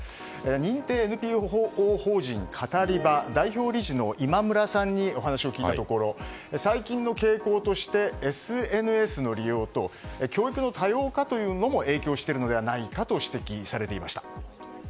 認定ＮＰＯ法人カタリバ代表理事の今村さんにお話を聞いたところ最近の傾向としてＳＮＳの利用と教育の多様化というのも影響しているのではないかと指摘されていました。